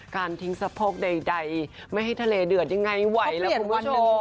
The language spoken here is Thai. การทิ้งสะโพกใดไม่ให้ทะเลเดือดยังไงไหวล่ะคุณผู้ชม